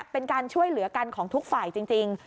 เป็นการช่วยเหลือกันของทุกฝ่ายจริง